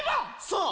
そう！